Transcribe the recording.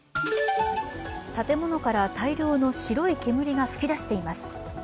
建物から大量の白い煙が噴き出しています。